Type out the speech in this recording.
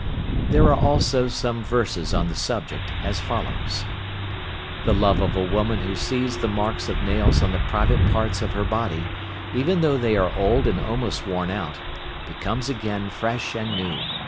There are also some verses on the subject, as follows: "The love of a woman who sees the marks of nails on the private parts of her body, even though they are old and almost worn out, becomes again fresh and new.